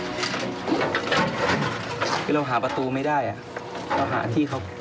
เราหาประตูไม่ได้